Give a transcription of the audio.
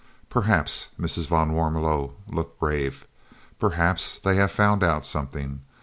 "Perhaps" Mrs. van Warmelo looked grave "perhaps they have found out something.